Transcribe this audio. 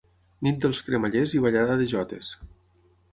Nit dels Cremallers i ballada de jotes.